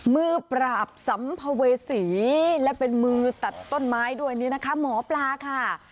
มือปราบสัมภเวษีและเป็นมือตัดต้นไม้ด้วยนี่นะคะหมอปลาค่ะ